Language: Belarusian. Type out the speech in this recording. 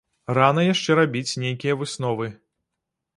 Рана яшчэ рабіць нейкія высновы.